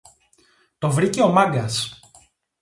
Το βρήκε ο Μάγκας!